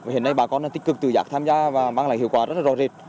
hiện nay bà con tích cực tự giác tham gia và mang lại hiệu quả rất là rõ rệt